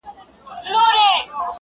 ګوندي دا خرابه خونه مو ګلشن شي!.